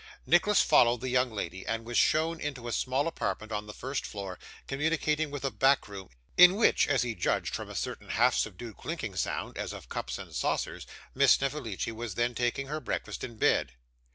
Nicholas followed the young lady, and was shown into a small apartment on the first floor, communicating with a back room; in which, as he judged from a certain half subdued clinking sound, as of cups and saucers, Miss Snevellicci was then taking her breakfast in bed.